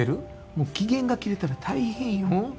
もう期限が切れたら大変よ。